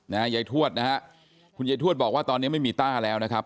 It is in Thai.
ยายทวดนะฮะคุณยายทวดบอกว่าตอนนี้ไม่มีต้าแล้วนะครับ